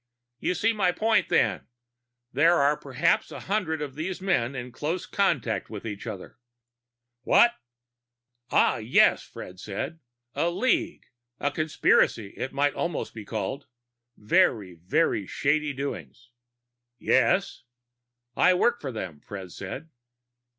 "You see my point, then. There are perhaps a hundred of these men in close contact with each other " "What!" "Ah, yes," Fred said. "A league. A conspiracy, it might almost be called. Very, very shady doings." "Yes." "I work for them," Fred said.